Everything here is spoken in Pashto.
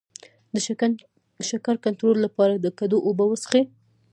د شکر کنټرول لپاره د کدو اوبه وڅښئ